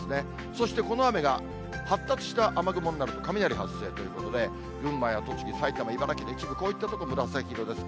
そしてこの雨が発達した雨雲になると、雷発生ということで、群馬や栃木、埼玉、茨城で、一部、こういった所紫色です。